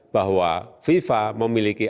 bahwa fifa memiliki